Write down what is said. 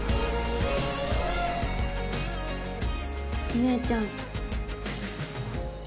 お姉ちゃん。